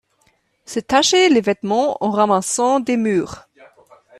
se tâcher les vêtements en ramassant des mûres.